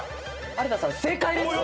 有田さん正解です。